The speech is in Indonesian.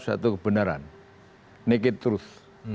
suatu kebenaran naked truth